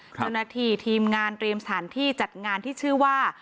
เจ้าหน้าที่ทีมงานเตรียมสถานที่จัดงานที่ชื่อว่า